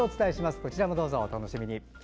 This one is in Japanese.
こちらもどうぞお楽しみに。